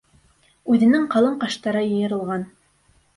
Үҙенең ҡалын ҡаштары йыйырылған.